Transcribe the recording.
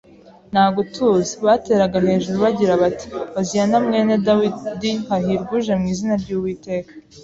Nta gutuza, bateraga hejuru bagira bati: «Hoziyana mwene Dawidi! Hahirwa uje mu izina ry'Uwiteka!